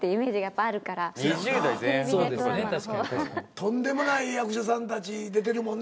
とんでもない役者さんたち出てるもんね